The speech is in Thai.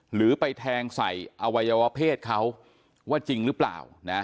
หรือไปแทงใส่อวัยวะเพศเขาว่าจริงหรือเปล่า